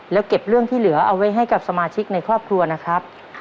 แล้วเก็บเรื่องที่เหลือเอาไว้ให้กับสมาชิกในครอบครัวนะครับ